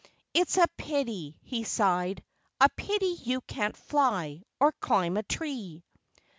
"It's a pity " he sighed "a pity you can't fly, or climb a tree."